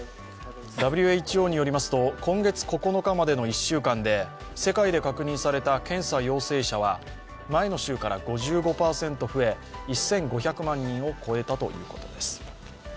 ＷＨＯによりますと今月９日までの１週間で世界で確認された検査陽性者は前の週から５５％増え、１５００万人を超えたということです。